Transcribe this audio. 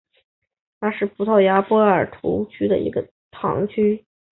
泰谢拉是葡萄牙波尔图区的一个堂区。